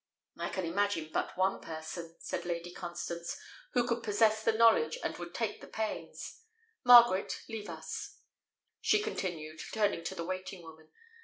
"I can imagine but one person," said Lady Constance, "who could possess the knowledge and would take the pains. Margaret, leave us," she continued, turning to the waiting woman.